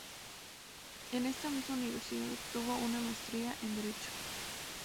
En esta misma universidad obtuvo una maestría en derecho.